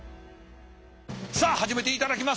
さあ始めていただきます。